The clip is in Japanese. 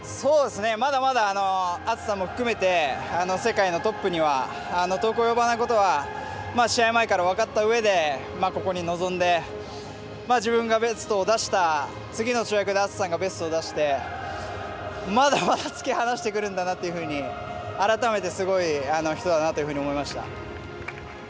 篤さん含めて世界のトップには遠く及ばないことは試合前から分かったうえでここに臨んで自分がベストを出して次の試合で篤さんがベストを出してまだまだ突き放してくるんだなって改めてすごい人だなと思いました。